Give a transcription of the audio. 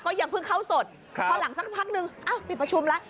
ยังเพิ่งเข้าสดพอหลังสักพักนึงอ้าวปิดประชุมแล้ว